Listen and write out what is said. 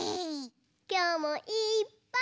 きょうもいっぱい。